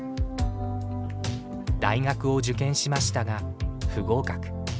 大学を受験しましたが不合格。